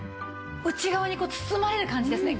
内側にこう包まれる感じですね。